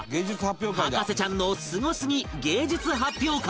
博士ちゃんのスゴすぎ芸術発表会